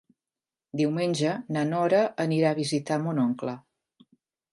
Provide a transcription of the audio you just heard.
Diumenge na Nora anirà a visitar mon oncle.